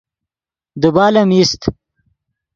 دیبال ام ایست